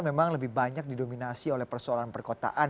memang lebih banyak didominasi oleh persoalan perkotaan